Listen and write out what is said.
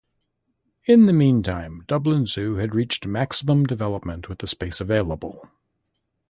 In the meantime, Dublin Zoo had reached maximum development with the space available.